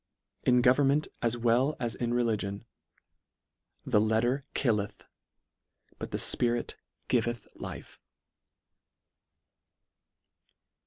In government as well as in religion, " the " letter killeth, but the fpirit giveth life."